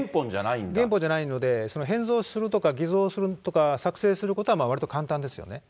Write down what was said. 原本じゃないので、変造するとか偽造するとか作成することはわりと簡単ですよね。